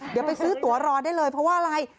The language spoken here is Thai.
เดี๋ยวไปซื้อตัวรอได้เลยเพราะว่าอะไร